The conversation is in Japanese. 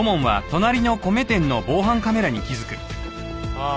ああ